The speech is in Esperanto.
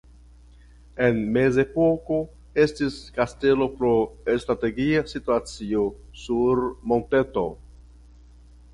En Mezepoko estis kastelo pro strategia situacio sur monteto.